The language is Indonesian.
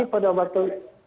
jadi pada waktu